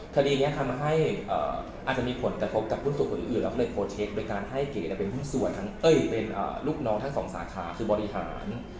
คดีนี้ทำให้อาจจะมีผลกระทบกับหุ้นส่วนคนอื่นเราก็เลยโปรเช็คโดยการให้เก๋เป็นหุ้นส่วนทั้งเอ้ยเป็นลูกน้องทั้งสองสาขาคือบริหาร